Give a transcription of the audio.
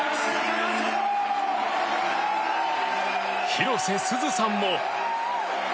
広瀬すずさんも！